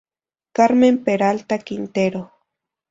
Carmen Peralta Quintero.